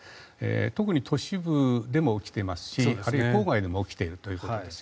特に都市部でも起きていますしあるいは郊外でも起きていると。